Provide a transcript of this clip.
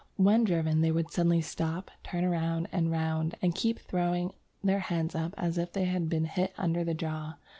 When driven they would suddenly stop, turn round and round, and keep throwing their heads up as if they had been hit under the jaw....